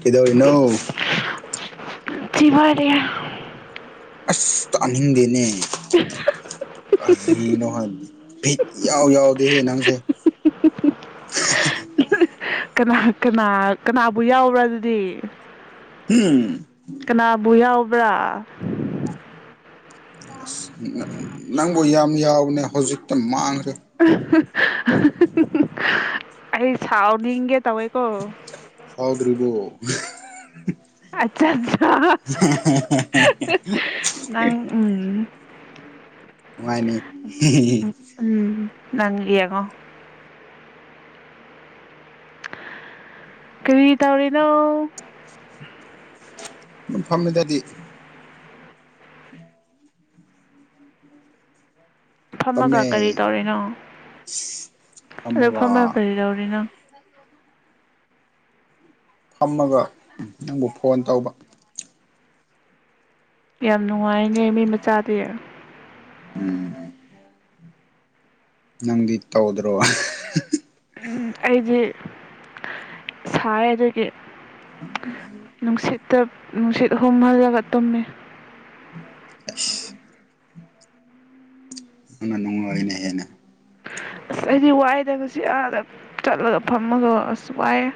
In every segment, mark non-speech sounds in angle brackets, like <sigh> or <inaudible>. ꯀꯗꯣꯏꯅꯧ ꯖꯤꯕꯥꯟꯔꯤ ꯑꯁ ꯇꯥꯅꯤꯡꯗꯦꯅꯦ <inaudible> ꯀꯅ ꯍꯥꯏ ꯐꯤ ꯌꯥꯎ ꯌꯥꯎꯗ ꯍꯦꯅꯁꯦ ꯀꯅꯥ ꯀꯅꯥ ꯀꯅꯥꯕꯨ ꯌꯥꯎꯕ꯭ꯔꯥ ꯑꯗꯨꯗꯤ ꯀꯅꯥꯕꯕꯨ ꯌꯥꯥ ꯕ꯭ꯔꯥ ꯅꯪ ꯌꯥꯝ ꯌꯥꯎꯅꯦ ꯍꯧꯖꯤꯛꯇ ꯃꯥꯡ <inaudible> ꯑꯩ ꯁꯥꯎꯅꯤꯡꯒꯦ ꯇꯧꯋꯦꯀꯣ ꯁꯥꯎꯗ꯭ꯔꯤꯕꯣ ꯑꯆꯥ ꯑꯆꯥ ꯅꯪ ꯎꯝ ꯉꯥꯏꯅꯦꯅꯤ ꯅꯟꯌꯥꯉꯣ ꯀꯔꯤ ꯇꯧꯔꯤꯅꯣ ꯑꯗꯨꯝꯐꯝꯗꯨꯗꯗꯤ ꯐꯝꯃꯒ ꯐꯝꯃꯦ ꯀꯔꯤ ꯇꯧꯔꯤꯅꯣ ꯑꯗꯨ ꯐꯝꯃꯒ ꯀꯔꯤ ꯇꯧꯔꯤꯅꯣ ꯐꯝꯃꯒ ꯅꯪꯕꯨ ꯐꯣꯟ ꯇꯧꯕ ꯌꯥꯝ ꯅꯨꯡꯉꯥꯏꯅꯦ ꯃꯤ ꯃꯆꯥꯗꯤ ꯎꯝ ꯅꯪꯗꯤ ꯇꯧꯗ꯭ꯔꯣ ꯑꯩꯗꯤ ꯁꯥꯏ ꯑꯗꯒꯤ ꯅꯨꯡꯁꯤꯠꯇ ꯅꯨꯡꯁꯤꯠ ꯍꯣꯍꯜꯂꯒ ꯇꯨꯝꯃꯤ <inaudible> ꯅꯪ ꯅꯨꯡꯉꯅꯦ ꯍꯦꯟꯅ ꯑꯁ ꯑꯩꯗꯤ ꯋꯥꯏꯗꯒ ꯁꯤ ꯑꯥꯗ ꯆꯠꯂꯒ ꯐꯝꯃꯒꯣ ꯑꯁ ꯋꯥꯏꯑꯦ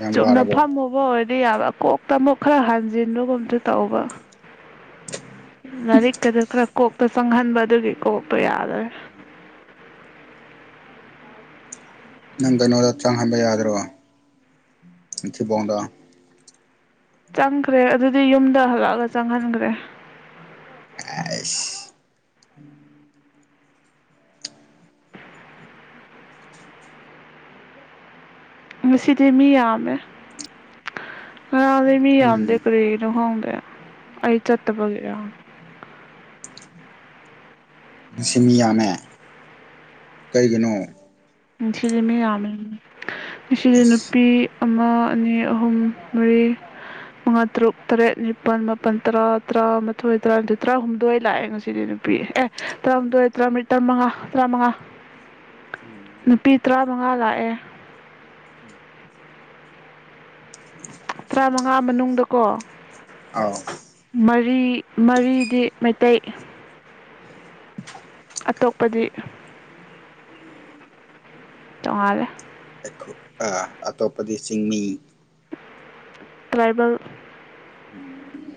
ꯌꯥꯝ ꯆꯨꯝꯅ ꯋꯥꯔꯕꯣ ꯐꯝꯃꯕꯣ ꯌꯥꯕ ꯀꯣꯛꯇ ꯑꯃꯨꯛ ꯈꯔ ꯍꯥꯟꯖꯤꯟꯕꯒꯨꯝꯁꯨ ꯇꯧꯕ ꯂꯥꯏꯔꯤꯛꯀꯗꯨ ꯈꯔ ꯀꯣꯛꯇ ꯆꯪꯍꯟꯕ ꯑꯗꯨꯒꯤ ꯀꯣꯛꯇ ꯌꯥꯗꯔꯦ ꯅꯪ ꯀꯩꯅꯣꯗ ꯆꯥꯡꯍꯟꯕ ꯌꯥꯗ꯭ꯔꯣ ꯏꯊꯤꯐꯥꯎꯗ ꯆꯪꯈ꯭ꯔꯦ ꯑꯗꯨꯗꯤ ꯌꯨꯝꯗ ꯍꯜꯂꯛꯑꯒ ꯆꯪꯍꯟꯈ꯭ꯔꯦ ꯑꯦꯁ ꯉꯁꯤꯗꯤ ꯃꯤ ꯌꯥꯝꯃꯦ ꯑꯗ ꯃꯤ ꯎꯝ ꯑꯗ ꯀꯔꯤ ꯈꯥꯗꯦ ꯑꯩ ꯆꯠꯇꯕꯒꯥ ꯃꯁꯤꯃꯤꯌꯥꯅꯦ ꯀꯔꯤꯒꯤꯅꯣ ꯁꯤꯗꯤꯃꯤ ꯌꯥꯃꯦ ꯏꯆ ꯑꯦꯁ ꯅꯨꯄꯤ ꯑꯃ ꯑꯅꯤ ꯑꯍꯨꯝ ꯃꯔꯤ ꯃꯉꯥ ꯇꯔꯨꯛ ꯇꯔꯦꯠ ꯅꯤꯄꯥꯜ ꯃꯥꯄꯜ ꯇꯔꯥ ꯇꯔꯥꯃꯥꯊꯣꯏ ꯇꯔꯥꯅꯤꯊꯣꯏ ꯇꯔꯥꯍꯨꯝꯗꯣꯏ ꯂꯥꯛꯑꯦ ꯉꯁꯤꯗꯤ ꯅꯨꯄꯤ ꯑꯦ ꯇꯔꯥꯍꯨꯝꯗꯣꯏ ꯇꯔꯥꯃꯔꯤ ꯇꯔꯥꯃꯉꯥ ꯇꯔꯥꯃꯉꯥ ꯎꯝ ꯅꯨꯄꯤ ꯇꯔꯥꯃꯉꯥ ꯂꯥꯛꯑꯦ ꯎꯝ ꯇꯔꯥꯃꯉꯥ ꯃꯅꯨꯡꯗ ꯀꯣ ꯑꯥꯎ ꯃꯔꯤ ꯃꯔꯤꯗꯤ ꯃꯩꯇꯩ <unintelligible> ꯑꯇꯣꯞꯄꯗꯤ ꯇꯣꯉꯔꯦ ꯣꯏ ꯑꯇꯣꯞꯄꯗꯤ ꯆꯤꯡꯃꯤ ꯒꯥꯏꯔꯕꯜ ꯎꯝ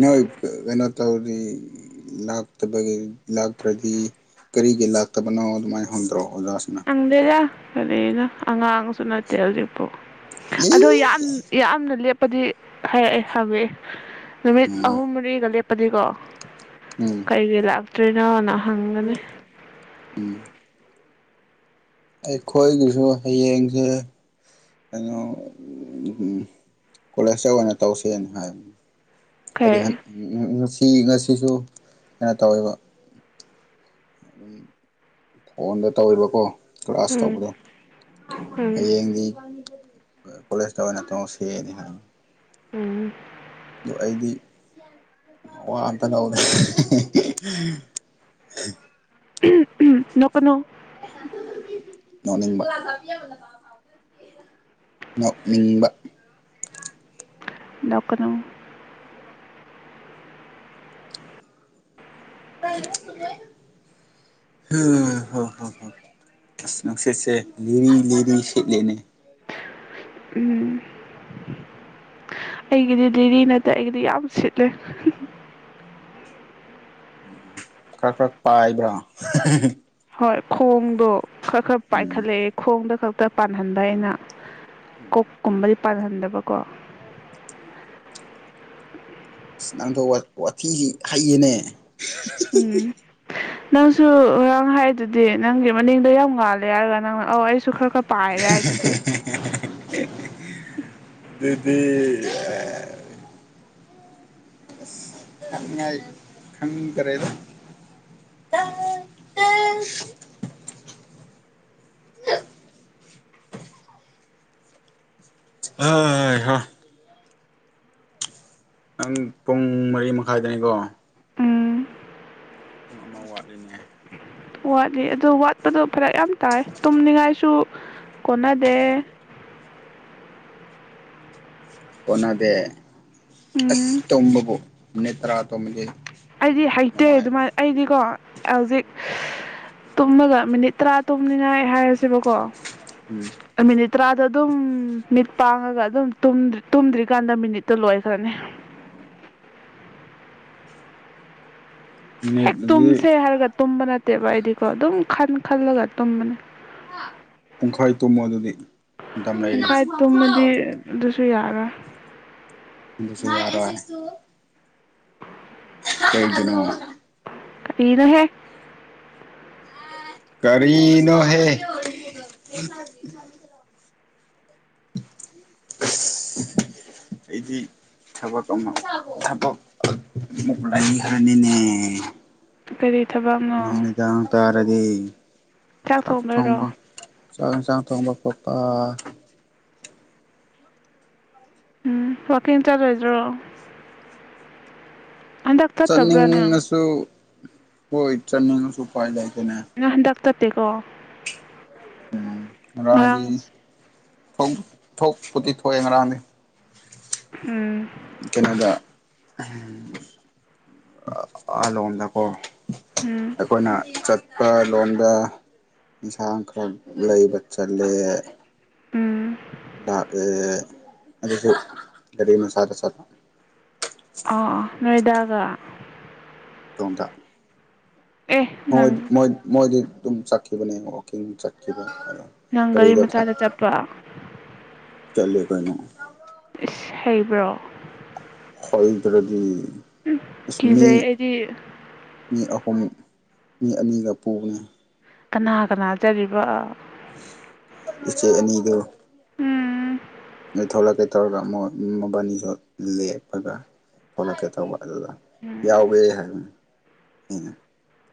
ꯅꯣꯏ ꯀꯩꯅꯣ ꯇꯧꯔꯗꯤ ꯂꯇꯕ ꯂꯥꯛꯇ꯭ꯔꯗꯤ ꯀꯔꯤꯒꯤ ꯂꯥꯛꯇꯕꯅꯣ ꯑꯗꯨꯃꯥꯏꯅ ꯍꯣꯟꯗ꯭ꯔꯣ ꯆꯪꯗ ꯂ ꯀꯔꯤꯅ ꯑꯉꯥꯡꯁꯨ ꯅꯠꯇꯦ ꯍꯧꯖꯤꯛꯄꯥꯎ ꯑꯗꯣ ꯌꯥꯝ ꯌꯥꯝꯅ ꯂꯦꯞ ꯗꯤ ꯍꯥꯏꯔꯛꯑꯦ ꯍꯪꯕꯤꯑꯦ ꯅꯨꯃꯤꯠ ꯎꯝ ꯑꯍꯨꯝ ꯃꯔꯤꯒꯂ ꯄꯗꯤꯀꯣ ꯎꯝ ꯀꯩ ꯀꯩ ꯂꯥꯛꯇ꯭ꯔꯤꯅꯣꯅ ꯍꯪꯒꯅꯤ ꯎꯝ ꯑꯩꯈꯣꯏꯒꯤꯁꯨ ꯍꯌꯦꯡꯁꯦ ꯀꯩꯅꯣ ꯀꯣꯂꯦꯖꯇ ꯑꯣꯏꯅ ꯇꯧꯁꯦꯅ ꯍꯥꯏꯕꯅꯤ ꯑꯗꯨ ꯀꯩ ꯍ ꯎꯝ ꯁꯤ ꯉꯁꯤꯁꯨ ꯀꯩꯅꯣ ꯇꯧꯋꯦꯕ ꯑꯗꯨꯝ ꯐꯣꯟꯗ ꯇꯧꯔꯤꯕꯀꯣ ꯀ꯭ꯂꯥꯁ ꯎꯝ ꯇꯧꯕꯗꯣ ꯎꯝ ꯍꯌꯦꯡꯗꯤ ꯀꯂꯦꯖ ꯇꯕꯅꯠꯇꯣ ꯁꯤꯅꯤ ꯎꯝ ꯑ ꯑꯩꯗꯤ ꯋꯥꯝꯇ ꯂꯧꯔꯦ ꯎꯝ ꯎꯝ ꯄꯅꯣ ꯅꯣꯛꯅꯤꯡꯕ ꯅꯣꯛꯅꯤꯡꯕ ꯂꯀꯅꯣꯡ ꯍ ꯍ ꯍꯣ ꯑꯁꯅꯁꯦꯁꯦ ꯂꯤꯔꯤ ꯂꯤꯔꯤ ꯁꯠꯂꯅꯦ ꯎꯝ ꯑꯩꯒꯤꯗꯤ ꯦꯗꯤ ꯅꯠꯇꯦ ꯑꯩꯒꯤꯗꯤ ꯌꯥꯝ ꯁꯤꯠꯂꯦ ꯈꯔ ꯈꯔꯛ ꯄꯥꯏꯕ꯭ꯔꯥ ꯍꯣꯏ ꯈꯣꯡꯗꯣ ꯈꯔ ꯈꯔ ꯎꯝ ꯄꯥꯏꯈꯠꯂꯛꯑꯦ ꯈꯣꯡꯗ ꯈꯔ ꯇ ꯄꯥꯟꯍꯟꯕ ꯑꯩꯅ ꯀꯣꯛ ꯀꯨꯝꯕꯗꯤ ꯄꯥꯜꯍꯟꯗꯕꯀꯣ ꯅꯪꯗꯣ ꯋꯥꯊ ꯋꯥꯊꯤꯗꯤ ꯍꯩꯌꯦꯅꯦ <unintelligible> ꯎꯝ ꯅꯪꯁꯨ ꯉꯔꯥꯡ ꯍꯥꯏꯗꯨꯗꯤ ꯅꯪꯒꯤ ꯃꯅꯤꯡꯗ ꯌꯥꯝ ꯉꯥꯜꯂꯦ ꯍꯥꯏꯔꯒ ꯅꯪꯅ ꯑꯧ ꯑꯩꯁꯨ ꯈꯔ ꯈꯔ ꯄꯥꯏꯔꯦ ꯍꯥꯏ ꯑꯗꯨꯗꯤ ꯑꯗꯨꯗꯤ ꯑꯦ ꯈꯪꯗ꯭ꯔꯦꯗ ꯍꯩꯍꯥ ꯅꯪ ꯄꯨꯡ ꯃꯔꯤ ꯃꯈꯥꯏꯗꯅꯤꯀꯣ ꯎꯝ ꯄꯨꯡ ꯑꯃ ꯋꯥꯠꯂꯤꯅꯦ ꯋꯥꯠꯂꯤ ꯑꯗꯨ ꯋꯥꯠꯄꯗꯣ ꯐꯔꯛ ꯌꯥꯝ ꯇꯥꯏ ꯇꯨꯝꯅꯤꯡꯉꯥꯏꯁꯨ ꯀꯣꯟꯅꯗꯦ ꯀꯣꯅꯗꯦ ꯑꯁ ꯎꯝ ꯇꯨꯝꯕꯕꯨ ꯃꯤꯅꯤꯠ ꯇꯔꯥ ꯇꯨꯝꯕꯗꯤ ꯑꯩꯗꯤ ꯍꯩꯇꯦ ꯑꯗꯨꯃꯥꯏ ꯑꯩꯗꯤꯀꯣ ꯍꯧꯖꯤꯛ ꯇꯨꯝꯃꯒ ꯃꯤꯅꯤꯠ ꯇꯔꯥ ꯇꯨꯝꯅꯤꯡꯉꯥꯏ ꯍꯥꯏꯔꯁꯦꯕꯀꯣ ꯎꯝ ꯇꯔꯥꯗꯣ ꯑꯗꯨꯝ ꯃꯤꯠ ꯄꯥꯡꯉꯒ ꯑꯗꯨꯝ ꯇꯨꯝꯗ꯭ꯔꯤ ꯇꯨꯝꯗ꯭ꯔꯤꯀꯥꯟꯗ ꯃꯤꯅꯤꯠꯇꯣ ꯂꯣꯏꯈ꯭ꯔꯅꯤ ꯃꯤꯅꯤꯠ ꯍꯦꯛ ꯑꯗꯨꯗꯤ ꯇꯨꯝꯁꯦ ꯍꯥꯏꯔꯒ ꯇꯨꯝꯕ ꯅꯠꯇꯦꯕ ꯑꯩꯗꯤꯀꯣ ꯑꯗꯨꯝ ꯈꯟ ꯈꯜꯂꯒ ꯇꯨꯝꯕꯅꯤ ꯄꯨꯡꯈꯥꯏ ꯇꯨꯝꯃꯣ ꯑꯗꯨꯗꯤ ꯃꯇꯝ ꯂꯩꯔꯤ ꯇꯨꯌꯥꯔꯣꯏ ꯑꯗꯨꯁꯨ ꯌꯥꯔꯣꯏ <unintelligible> ꯀꯔꯤꯅꯣꯍꯦ ꯀꯔꯤꯅꯣ ꯍꯦ ꯑꯁ ꯑꯩꯗꯤ ꯊꯕꯛ ꯑꯃ ꯊꯕꯛ ꯑꯃꯨꯛ ꯂꯩꯈ꯭ꯔꯅꯤꯅꯦ ꯀꯔꯤ ꯊꯕꯛꯅꯣ ꯂꯗꯤ ꯆꯥꯛ ꯊꯣꯡꯗꯣꯏꯔꯣ ꯆꯥꯛ ꯌꯦꯟꯁꯥꯡ ꯊꯣꯡꯕ ꯈꯣꯠꯄ ꯎꯝ ꯋꯥꯀꯤꯡ ꯆꯠꯂꯣꯏꯗ꯭ꯔꯣ ꯍꯟꯗꯛ ꯆꯠꯇꯕ꯭ꯔꯥ ꯅꯪ ꯆꯠꯅꯤꯡꯉꯁꯨ ꯍꯣꯏ ꯆꯅꯤꯡꯉꯁꯨ ꯎꯄꯥꯏ ꯂꯩ ꯄꯨꯅꯦ ꯅꯪ ꯍꯟꯗꯛ ꯆꯠꯇꯦꯀꯣ ꯎ ꯔꯪꯒꯤ ꯉꯔꯥꯡ ꯊꯣꯛꯄꯨꯗꯤꯤ ꯊꯣꯛꯑꯦ ꯉꯔꯥꯡꯗꯤ ꯎꯝ ꯑꯂꯣꯝꯗ ꯀꯣ ꯎꯝ ꯑꯩꯈꯣꯏꯅ ꯆꯠ ꯄ ꯂꯣꯝꯗ ꯌꯦꯟꯁꯥꯡ ꯈꯔ ꯂꯩꯕ ꯆꯠꯂꯦ ꯎꯝ ꯂꯥꯛ ꯑꯗꯨꯁꯨ ꯔꯤ ꯃꯁꯥ ꯊꯁꯥꯗ ꯋꯥ ꯇꯣꯡꯗ ꯃ ꯅꯪ ꯃ ꯃꯗꯤ ꯑꯗꯨꯝ ꯆꯠꯈꯤꯕꯅꯦ ꯋꯥꯛꯀꯤꯡ ꯆꯠꯈꯤꯕ ꯅꯪ ꯒꯥꯔꯤ ꯒꯥꯔꯤꯗꯣ ꯃꯆꯥꯗ ꯆꯠꯄ ꯆꯜꯦ ꯀꯅ ꯏꯁ ꯍꯩꯕ꯭ꯔꯣ ꯍꯣꯏꯗ꯭ꯔꯗꯤ ꯑꯁ ꯀꯤꯖꯩ ꯑꯩꯗꯤ ꯄꯨꯝ ꯃꯤ ꯑꯅꯤꯒ ꯄꯨꯕꯅꯤ ꯀꯅꯥ ꯀꯅꯥꯖꯔꯤꯕ ꯏꯆꯦ ꯑꯅꯤꯗꯨ ꯎꯝ ꯑꯗꯩ ꯊꯣꯛꯂꯛꯀꯦ ꯇꯧꯔꯒ ꯃꯣꯕꯥꯅꯤꯁꯨ ꯂꯦꯛꯄꯒ ꯊꯣꯛꯂꯛꯀꯦ ꯇꯧꯕ ꯑꯗꯨ ꯎꯝ ꯌꯥꯎꯕꯦ ꯍꯥꯏꯕꯅꯦ ꯎꯝ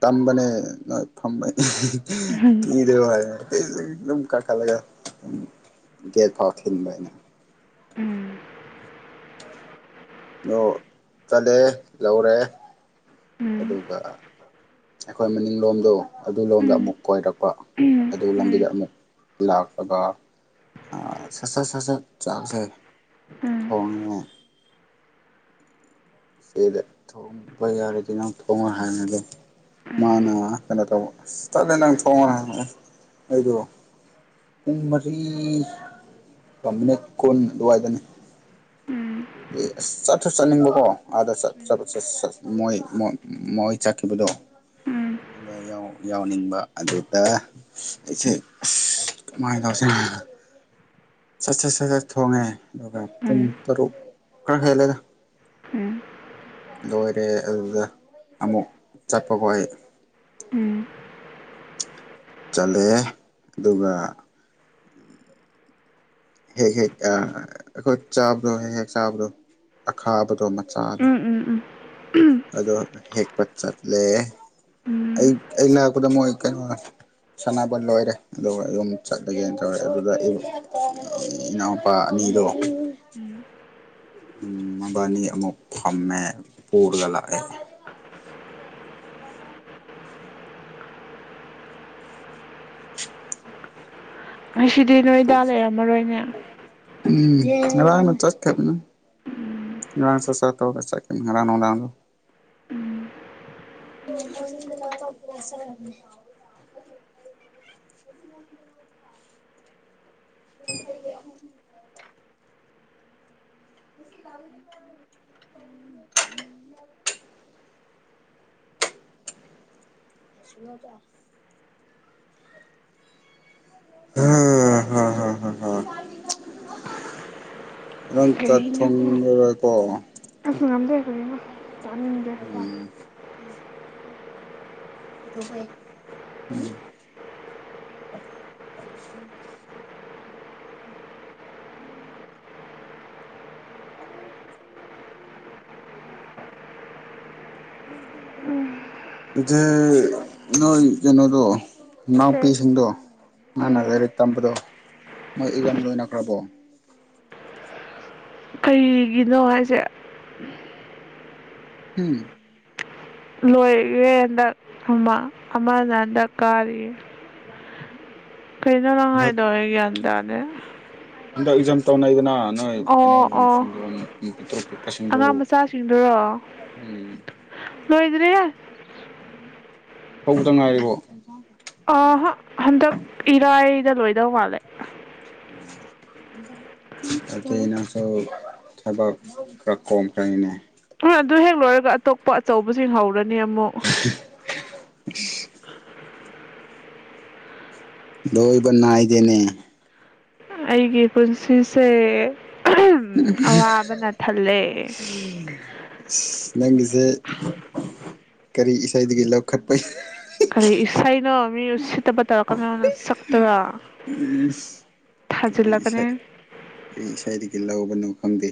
ꯇꯝꯕꯅꯦ ꯅ ꯐꯃꯦ ꯎꯝ ꯀꯗ ꯑ ꯑꯗꯨꯝ ꯀꯥꯈꯠꯂꯒꯝ ꯒꯦꯠ ꯐꯥꯎ ꯈꯤꯟꯕ ꯍꯥꯏꯅ ꯎꯝ ꯅ ꯆꯠꯂꯦ ꯂꯧꯔꯦ ꯎꯝ ꯑꯗꯨꯒ ꯑꯩꯈꯣꯏ ꯃꯅꯤꯡꯂꯣꯝꯗꯣ ꯑꯗꯨ ꯂꯣꯝꯗ ꯎꯝ ꯑꯃꯨꯛ ꯀꯣꯏꯔꯛꯄ ꯎꯝ ꯑꯗꯨ ꯂꯝꯕꯤꯗ ꯎꯝ ꯑꯃꯨꯛ ꯂꯥꯛꯂꯒ ꯁꯠ ꯁꯠ ꯁꯠ ꯁꯠ ꯆꯥꯛꯁꯦ ꯎꯝ ꯊꯣꯡꯉꯤꯦ ꯏꯆꯦꯗ ꯊꯣꯡꯕ ꯌꯥꯔꯗꯤ ꯅꯪ ꯊꯣꯡꯉꯣꯏ ꯍꯥꯏꯅꯒꯦ ꯎꯝ ꯃꯥꯅ ꯀꯩꯅꯣ ꯇꯧꯕ ꯆꯠꯂ ꯅꯪ ꯊꯣꯡꯉ ꯍꯥꯏꯦ ꯑꯩꯗꯣ ꯄꯨꯡ ꯃꯔꯤ ꯃꯤꯅꯤꯠ ꯀꯨꯟ ꯑꯗꯨꯋꯥꯏꯗꯅꯤ ꯎꯝ ꯑꯗꯨꯗꯤ ꯑꯁ ꯆꯠꯊ ꯆꯠꯅꯤꯡꯕꯀꯣ ꯑꯥꯗ ꯎꯝ ꯃꯣꯏ ꯆꯠꯈꯤꯕꯗꯣ ꯑꯗꯨꯗ ꯌꯥꯎꯅꯤꯡꯕ ꯑꯗꯨꯗ ꯑꯩꯁꯦ ꯑꯁ ꯀꯃꯥꯏꯅ ꯇꯧꯁꯤ ꯁꯠ ꯁꯠ ꯁꯠ ꯆꯠ ꯊꯣꯡꯉꯦ ꯑꯗꯨꯒ ꯄꯨꯡ ꯇꯔꯨꯛ ꯈꯔ ꯈꯦ ꯂꯩꯅ ꯎꯝ ꯂꯣꯏꯔꯦ ꯑꯗꯨꯗ ꯑꯃꯨꯛ ꯆꯠꯄ ꯈꯣꯠ ꯑꯩ ꯎꯝ ꯆꯠꯂꯑꯦ ꯑꯗꯨꯒ ꯍꯦꯛ ꯍꯦꯛ ꯑꯩꯈꯣꯏ ꯆꯥꯕꯗꯣ ꯍꯦꯛ ꯍꯦꯛ ꯆꯥꯕꯗꯣ ꯑꯈꯥꯕꯗꯣ ꯃꯆꯥꯗꯣ ꯎꯝ ꯎꯝ ꯎꯝ ꯑꯗꯣ ꯍꯦꯛꯄ ꯆꯠꯂꯦ ꯑꯩ ꯑ ꯂꯥꯛꯛꯄꯗ ꯃꯣꯏ ꯀꯩꯅꯣ ꯁꯥꯟꯅꯕ ꯂꯣꯏꯔꯦ ꯑꯗꯨꯒ ꯌꯨꯝ ꯆꯠꯂꯒꯦꯅ ꯇꯧꯔꯛꯑꯦ ꯑꯗꯨꯗ ꯏꯅꯥꯎꯄꯥ ꯑꯅꯤꯗꯣ ꯎꯝ ꯃꯕꯥꯅꯤ ꯑꯃꯨꯛ ꯐꯝꯃꯦ ꯄꯨꯔꯒ ꯂꯥꯛꯑꯦ ꯉꯁꯤꯗꯤ ꯅꯣꯏꯗꯥ ꯂꯩꯔꯝꯃꯔꯣꯏꯅꯦ ꯎꯝ ꯔꯥꯡꯗ ꯆꯠꯀꯅ ꯉꯥꯡ ꯁ ꯁ ꯇꯒ ꯆꯠ ꯔꯥꯡ ꯋꯥꯔꯥꯡꯗ ꯍ <inaudible> ꯍꯥ ꯅꯪ ꯆꯥꯛ ꯀꯔꯤꯅꯣ ꯊꯣꯡꯉꯔꯣꯏꯀꯣ ꯑꯁ ꯉꯝꯗꯦ ꯀꯔꯤꯅꯣ ꯇꯥꯅꯤꯡꯗꯦ ꯑ ꯗꯨ ꯍꯩ ꯃ ꯑꯗꯨꯆꯦ ꯅꯣꯏ ꯀꯩꯅꯣꯗꯣ ꯀꯩ ꯏꯅꯥꯎꯄꯤꯁꯤꯡꯗꯣ ꯃꯥꯪꯅ ꯂꯥꯏꯔꯤꯛ ꯇꯝꯕꯗꯣ ꯃꯣꯏ ꯏꯖꯝ ꯂꯣꯏꯅꯈ꯭ꯔꯕꯣ ꯀꯤꯒꯤꯅꯣ ꯍꯥꯏꯁꯦ ꯍꯝ ꯂꯣꯏꯦ ꯍꯟꯗꯛ ꯑꯃ ꯑꯃꯅ ꯍꯟꯗꯛ ꯀꯥꯔꯤꯌꯦꯦ ꯀꯩꯩꯅꯅ ꯐꯥꯏꯗ ꯑꯣꯏꯒ ꯑꯟꯗꯅꯦ ꯑꯦꯛꯖꯥꯝ ꯇꯧꯅꯅ ꯑꯣ ꯀꯩꯅꯣ ꯑꯣ ꯄ ꯄꯤꯄ ꯁꯤꯗꯣ ꯑꯉꯥꯡ ꯃꯆꯥꯁꯤꯡꯗꯨꯔꯣ ꯎꯝ ꯂꯣꯏꯗ꯭ꯔꯤꯍꯦ ꯍꯧꯕꯇ ꯉꯥꯏꯔꯤꯕꯣ ꯑꯍ ꯍꯟꯗꯛ ꯏꯔꯥꯏꯗ ꯂꯣꯏ ꯗ‌ꯧ ꯃꯥꯂꯦ ꯎ ꯑꯗꯨꯗꯤ ꯅꯪꯁꯨ ꯊꯕꯛ ꯈꯔ ꯀꯣꯝꯈ꯭ꯔꯅꯤꯅꯦ ꯎ ꯑꯗꯨ ꯍꯦꯛ ꯂꯣꯏꯔꯒ ꯑꯇꯣꯞꯄ ꯑꯆꯧꯕꯁꯤꯡ ꯍꯧꯔꯅꯤ ꯅꯌꯝꯃꯣ <inaudible> ꯂꯣꯏꯕ ꯅꯥꯏꯗꯦꯅꯦ ꯑꯩꯒꯤ ꯄꯨꯟꯁꯤꯁꯦ ꯑꯋꯥꯕꯅ ꯊꯜꯂꯦ ꯅꯪꯁꯦ ꯀꯔꯤ ꯏꯁꯩꯗꯒꯤ ꯂꯧꯈꯠꯄꯩ ꯀꯔꯤ ꯏꯁꯩꯅꯣ ꯃꯤ ꯎꯆ ꯏꯁ ꯀꯔꯤ ꯊꯥꯖꯤꯜꯂꯛꯀꯅꯤ ꯏꯁꯩ ꯀꯔꯤ ꯏꯁꯩꯗꯒꯤ ꯂꯧꯕꯅꯣ ꯈꯪꯗꯦ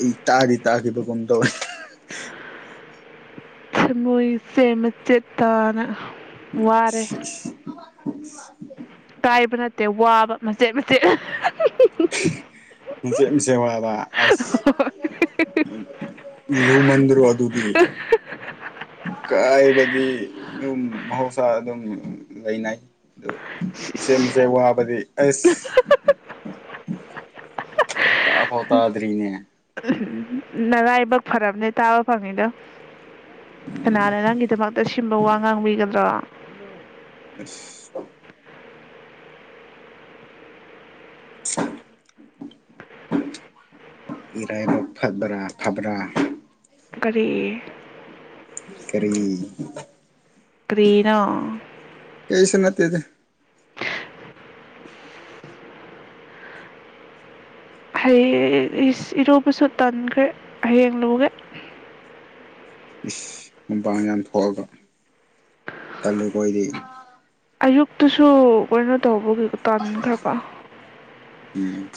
ꯑꯩ ꯇꯥꯗꯤ ꯇꯥꯈꯤꯕꯒꯨꯝ <unintelligible> ꯇꯣ ꯨꯊꯃ‌ꯣꯏꯁ‌ꯦ ꯃꯆ‌ꯦꯠ ꯇꯥꯅ ꯋꯥꯔꯦ ꯑ <inaudible> ꯀꯥꯏꯕ ꯅꯠꯇꯦ ꯋꯥꯕ ꯃꯆꯦꯠ ꯃꯆꯦꯠ ꯃꯆꯦꯠ ꯃꯆꯦꯠ ꯋꯥꯕ ꯑꯁ ꯂꯨꯃꯟꯗ꯭ꯔꯣ ꯑꯗꯨꯗꯤ ꯀꯥꯏꯕꯗꯤ ꯑꯗꯨꯝ ꯃꯍꯧꯁꯥ ꯑꯗꯨꯝ ꯂꯩꯅꯥꯏ ꯑꯗꯨ ꯏꯆꯦꯝ ꯏꯆꯦꯝ ꯋꯥꯕꯗꯤ ꯑꯁ ꯇꯥꯐꯧ ꯇꯥꯗ꯭ꯔꯤꯅꯤꯅꯦ ꯅꯔꯥꯏꯕꯛ ꯐꯔꯕꯅꯦ ꯇꯥꯕ ꯐꯪꯉꯤꯗꯣ ꯀꯅꯥꯅ ꯅꯪꯒꯤꯗꯃꯛꯇ ꯁꯤꯟꯕ ꯋꯥ ꯉꯥꯡꯕꯤꯒ ꯔꯣ ꯑꯁ <unintelligible> ꯏꯔꯥꯏꯕꯛ ꯐꯠꯕ꯭ꯔꯥ ꯐꯕ꯭ꯔꯥ ꯀꯔꯤ ꯀꯔꯤ ꯀꯔꯤꯅꯣ ꯀꯩꯁꯨ ꯅꯠꯇꯦꯗ ꯍꯩꯌꯦ ꯏꯁ ꯏꯔꯨꯕꯁꯨ ꯇꯟꯈ꯭ꯔꯦ ꯍꯌꯦꯡ ꯂꯨꯒꯦ ꯏꯁ ꯅꯨꯡꯗꯥꯡ ꯌꯥꯝ ꯊꯣꯛꯑꯒ ꯇꯜꯂꯦꯀꯣ ꯑꯩꯗꯤ ꯑꯌꯨꯛꯇꯨꯁꯨ ꯀꯩꯅꯣ ꯇꯧꯕꯒꯤ ꯇꯥꯟꯈ꯭ꯔꯕ ꯎꯝ